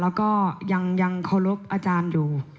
แล้วก็ยังเคารพอาจารย์อยู่